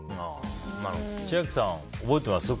千秋さん、覚えてます？